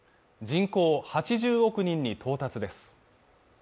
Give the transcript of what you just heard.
人口８０億人に到達です